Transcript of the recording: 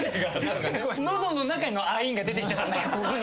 喉の中のアインが出てきちゃったここに。